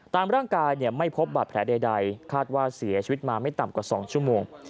ตามร่างกายไม่พบบาดแผลใดคาดว่าเสียชีวิตมาไม่ต่ำกว่า๒ชั่วโมง